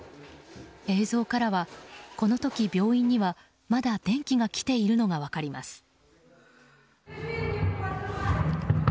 映像からは、この時、病院にはまだ電気が来ているのが分かります。